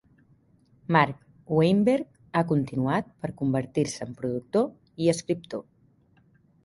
Mark Weinberg ha continuat per convertir-se en productor i escriptor.